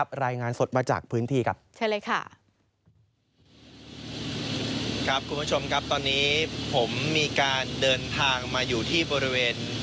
ครับคุณผู้ชมครับตอนนี้ผมมีการเดินทางมาอยู่ที่บริเวณ